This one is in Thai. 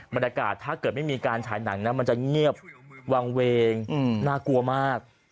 ถ้าเกิดไม่มีการฉายหนังนะมันจะเงียบวางเวงน่ากลัวมาก